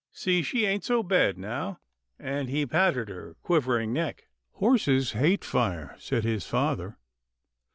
See — she ain't so bad now/' and he patted her quivering neck. " Horses hate fire," said his father.